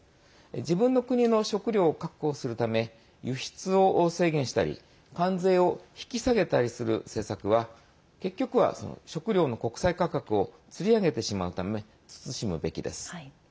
自分の国の食糧を確保するため輸出を制限したり関税を引き下げたりする政策は結局は、食糧の国際価格をつり上げてしまうため慎むべきです。